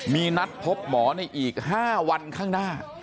มีนัดพบหมอในอีก๕วันข้างหน้า